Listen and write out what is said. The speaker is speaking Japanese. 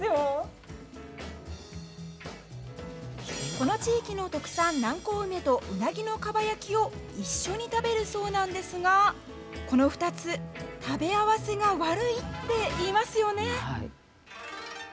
この地域の特産、南高梅とうなぎのかば焼きを一緒に食べるそうなんですがこの２つ、食べ合わせが悪いって言いますよね。